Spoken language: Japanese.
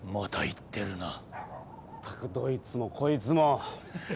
ったくどいつもこいつも。